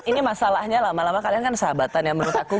ini masalahnya lama lama kalian kan sahabatan ya menurut aku